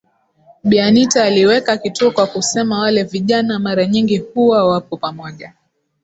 Bi Anita aliweka kituo kwa kusema wale vijana mara nyingi huwa wapo pamoja